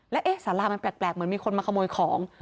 แล้วเอ๊ะสารามันแปลกเหมือนมีคนมาขโมยของ